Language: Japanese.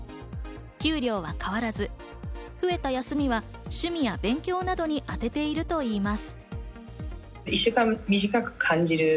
給料は変わらず増えた休みは趣味や勉強などにあてているといいます。